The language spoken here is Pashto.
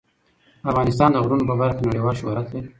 افغانستان د غرونه په برخه کې نړیوال شهرت لري.